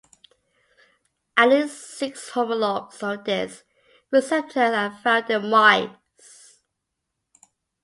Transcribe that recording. At least six homologues of this receptor are found in mice.